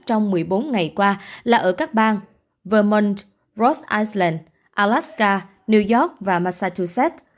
trong một mươi bốn ngày qua là ở các bang vermont rhode island alaska new york và massachusetts